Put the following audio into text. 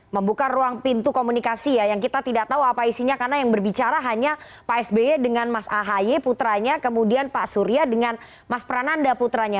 membuka ruang pintu komunikasi ya yang kita tidak tahu apa isinya karena yang berbicara hanya pak sby dengan mas ahaye putranya kemudian pak surya dengan mas prananda putranya